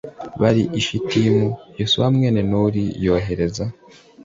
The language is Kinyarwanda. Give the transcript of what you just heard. Bari i Shitimu Yosuwa mwene Nuni yohereza